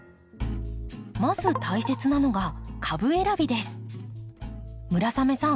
まず大切なのが村雨さん